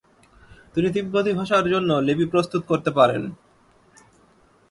তিনি তিব্বতী ভাষার জন্য লিপি প্রস্তুত করতে পারেন।